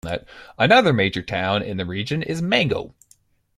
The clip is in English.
Another major town in the region is Mango.